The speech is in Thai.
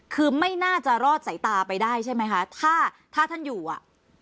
คือไม่น่าจะรอดสายตาไปได้ใช่ไหมคะถ้าถ้าท่านอยู่อ่ะ